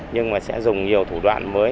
nhưng mà sẽ dùng nhiều thủ đoạn mới